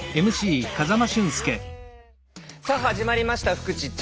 さあ始まりました「フクチッチ」。